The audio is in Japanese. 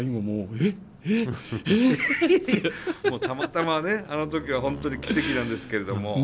たまたまねあの時は本当に奇跡なんですけれども。